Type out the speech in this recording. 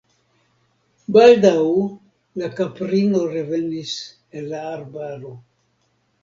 Baldaŭ la kaprino revenis el la arbaro.